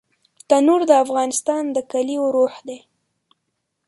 تنور د افغانستان د کليو روح دی